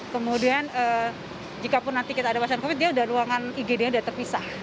kemudian jikapun nanti kita ada masyarakat covid sembilan belas dia sudah ruangan igd nya sudah terpisah